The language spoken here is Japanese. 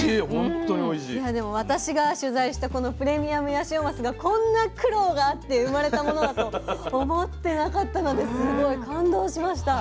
いやでも私が取材したこのプレミアムヤシオマスがこんな苦労があって生まれたものだと思ってなかったのですごい感動しました。